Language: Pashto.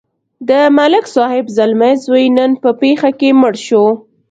د ملک صاحب زلمی زوی نن په پېښه کې مړ شو.